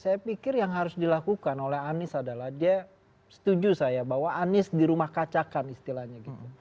saya pikir yang harus dilakukan oleh anies adalah dia setuju saya bahwa anies di rumah kacakan istilahnya gitu